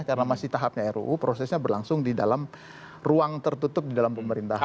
karena masih tahapnya ruu prosesnya berlangsung di dalam ruang tertutup di dalam pemerintahan